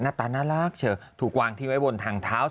ตาน่ารักเฉอะถูกวางทิ้งไว้บนทางเท้า